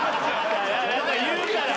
言うから。